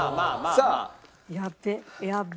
さあ。